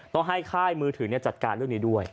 ต้องให้ค่ายมือถือจัดการเรื่องนี้ด้วย